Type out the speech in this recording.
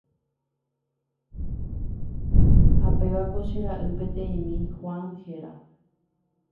Ha pévako che ra'y peteĩmi Juan héra.